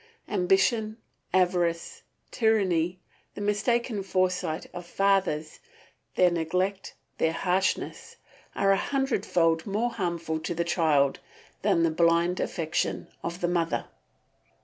Ambition, avarice, tyranny, the mistaken foresight of fathers, their neglect, their harshness, are a hundredfold more harmful to the child than the blind affection of the mother.